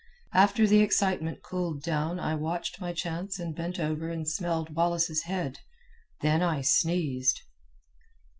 "After the excitement cooled down I watched my chance and bent over and smelled Wallace's head. Then I sneezed."